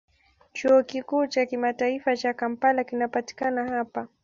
Chuo Kikuu cha Kimataifa cha Kampala kinapatikana hapa.